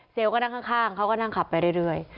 ก็นั่งข้างเขาก็นั่งขับไปเรื่อย